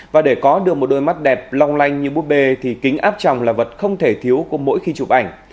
và để có được một đôi mắt đẹp long lanh như bút bê thì kính áp tròng là vật không thể thiếu của mỗi khi chụp ảnh